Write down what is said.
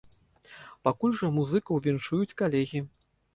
Пакуль жа музыкаў віншуюць калегі!